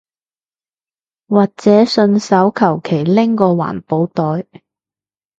或者順手求其拎個環保袋